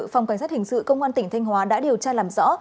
phòng cảnh sát hình sự công an tỉnh thanh hóa đã điều tra làm rõ